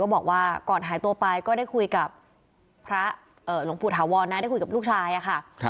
บอกว่าก่อนหายตัวไปก็ได้คุยกับพระหลวงปู่ถาวรนะได้คุยกับลูกชายอะค่ะ